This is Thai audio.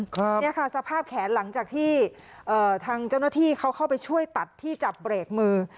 เนี่ยค่ะสภาพแขนหลังจากที่เอ่อทางเจ้าหน้าที่เขาเข้าไปช่วยตัดที่จับเบรกมือ